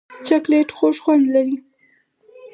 چاکلېټ خوږ خوند لري.